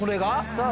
そう